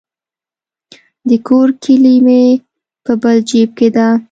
د کور کیلي مې په بل جیب کې وه.